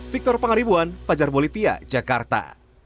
victor pangaribuan fajar bolivia jakarta